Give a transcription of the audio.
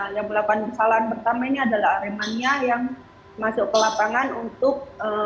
yang melakukan kesalahan pertama ini adalah aremania yang masuk ke lapangan untuk